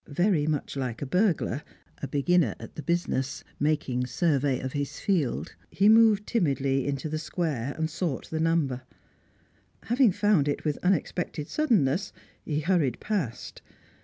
Very much like a burglar, a beginner at the business, making survey of his field, he moved timidly into the Square, and sought the number; having found it with unexpected suddenness, he hurried past.